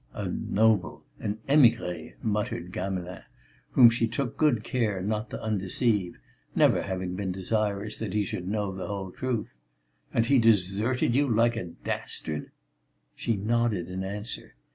"A noble! an émigré!" muttered Gamelin, whom she took good care not to undeceive, never having been desirous he should know the whole truth. "And he deserted you like a dastard?" She nodded in answer.